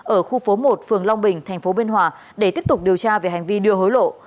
ở khu phố một phường long bình tp biên hòa để tiếp tục điều tra về hành vi đưa hối lộ